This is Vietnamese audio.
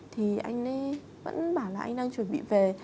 thì anh ấy vẫn bảo là anh đang chuẩn bị về